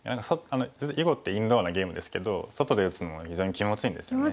囲碁ってインドアなゲームですけど外で打つのも非常に気持ちいいんですよね。